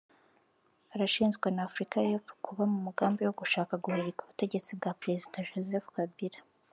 arashinjwa na Afurika y’Epfo kuba mu mugambi wo gushaka guhirika ubutegetsi bwa Perezida Joseph Kabila